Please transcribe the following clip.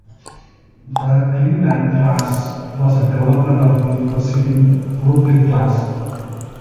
The "Cleveland"-class was a development of the preceding "Brooklyn"-class.